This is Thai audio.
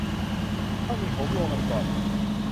ก็ต้องมีโหมโรงกันก่อน